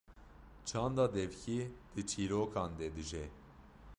çanda devkî di çîrokan de dije.